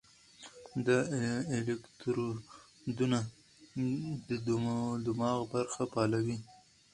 دا الکترودونه د دماغ برخې فعالوي.